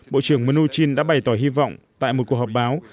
bộ trưởng mnuchin đã bày tỏ hy vọng tại một cuộc họp báo